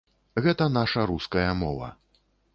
Гэта наша руская мова.